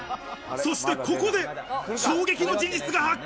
そして、ここで衝撃の事実が発覚。